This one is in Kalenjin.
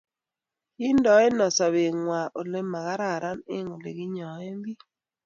koindeno sobengwai ole magararan eng oleginyoen biik